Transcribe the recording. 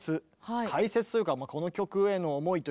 解説というかこの曲への思いというか。